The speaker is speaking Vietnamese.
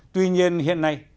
tuy nhiên hiện nay